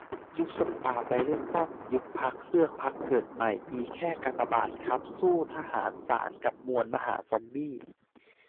ยุบสภา ไปเลือกตั้ง. ยุบพรรค เลือกพรรคเกิดใหม่. มีแค่กากบาทครับ สู้ทหาร ศาล กับมวลมหาซอมบี้